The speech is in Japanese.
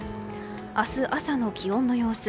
明日朝の気温の様子。